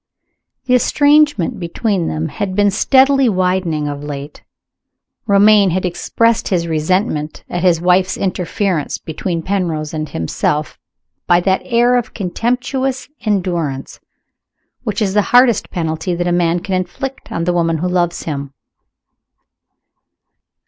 The estrangement between them had been steadily widening of late. Romayne had expressed his resentment at his wife's interference between Penrose and himself by that air of contemptuous endurance which is the hardest penalty that a man can inflict on the woman who loves him.